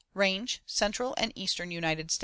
Range: Central and eastern United States.